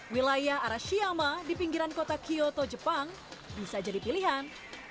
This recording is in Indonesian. wilayah arashiyama di pinggiran kota kyoto jepang bisa jadi pilihan